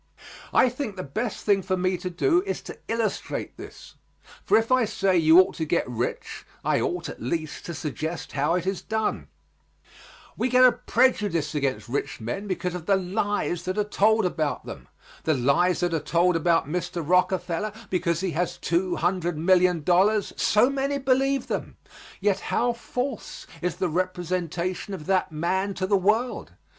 I think the best thing for me to do is to illustrate this, for if I say you ought to get rich, I ought, at least, to suggest how it is done. We get a prejudice against rich men because of the lies that are told about them. The lies that are told about Mr. Rockefeller because he has two hundred million dollars so many believe them; yet how false is the representation of that man to the world.